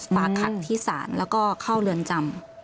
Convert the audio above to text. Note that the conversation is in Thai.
ฝากขัดที่ศาลแล้วก็เข้าเรือนจำ